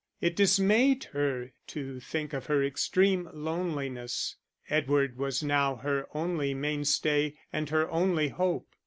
It dismayed her to think of her extreme loneliness; Edward was now her only mainstay and her only hope.